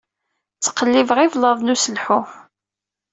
Ttqellibeɣ iblaḍen uselḥu.